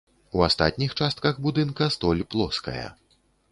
У астатніх частках будынка столь плоская.